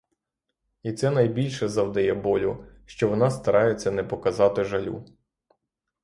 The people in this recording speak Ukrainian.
І це найбільше завдає болю, що вона старається не показати жалю.